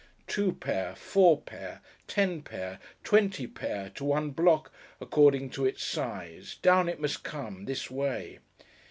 Two pair, four pair, ten pair, twenty pair, to one block, according to its size; down it must come, this way.